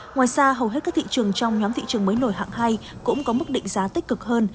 ngoài ra hầu hết các thị trường trong nhóm thị trường mới nổi hạng hai cũng có mức định giá tích cực hơn